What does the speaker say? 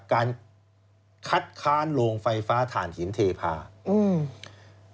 การคัดค้านโรงไฟฟ้าฐานหินเทพาอืม